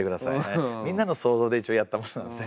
みんなの想像で一応やったことなので。